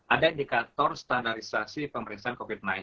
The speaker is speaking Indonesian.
ada indikator standarisasi pemeriksaan covid sembilan belas